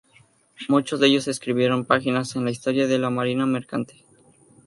Muchos de ellos escribieron páginas en la historia de la marina mercante.